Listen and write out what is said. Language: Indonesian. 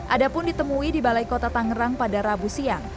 ada pun ditemui di balai kota tangerang pada rabu siang